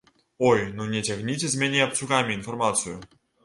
Ой, ну не цягніце з мяне абцугамі інфармацыю!